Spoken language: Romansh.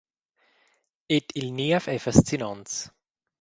Ed il niev ei fascinonts.